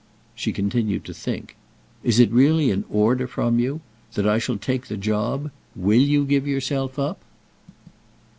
She continued to think. "Is it really an 'order' from you?—that I shall take the job? Will you give yourself up?"